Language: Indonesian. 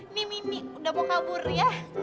ini mini udah mau kabur ya